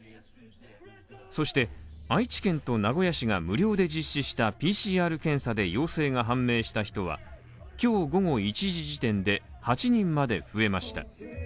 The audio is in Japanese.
そして愛知県と名古屋市が無料で実施したＰＣＲ検査で陽性が判明した人は今日午後１時時点で８人まで増えました。